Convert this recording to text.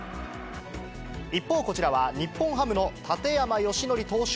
一方、こちらは日本ハムの建山義紀投手